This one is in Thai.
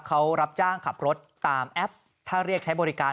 เขารับจ้างขับรถตามแอปถ้าเรียกใช้บริการ